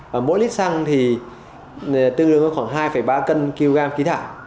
và mỗi lít xăng thì tương đương có khoảng hai ba kg khí thải